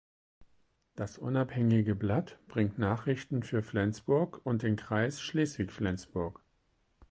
Das unabhängige Blatt bringt Nachrichten für Flensburg und den Kreis Schleswig-Flensburg.